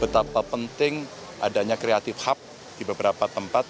betapa penting adanya creative hub di beberapa tempat